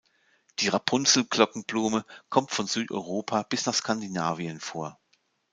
Die Rapunzel-Glockenblume kommt von Südeuropa bis nach Skandinavien vor.